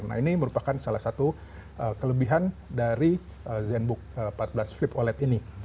nah ini merupakan salah satu kelebihan dari zenbook empat belas flip oled ini